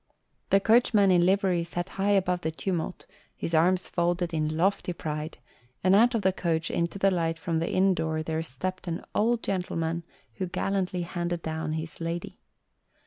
The coachman in livery sat high above the tumult, his arms folded in lofty pride, and out of the coach into the light from the inn door there stepped an old gentleman who gallantly handed down his lady.